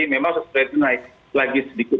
memang setelah itu naik lagi sedikit